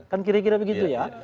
kan kira kira begitu ya